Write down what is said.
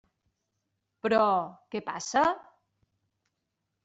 Però, què passa?